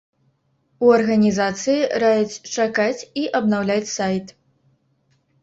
У арганізацыі раяць чакаць і абнаўляць сайт.